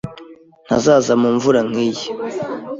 Ntazaza mu mvura nkiyi.